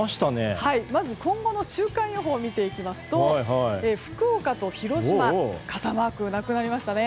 まず、今後の週間予報を見ていきますと福岡と広島傘マークなくなりましたね。